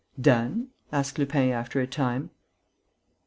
"Done?" asked Lupin, after a time.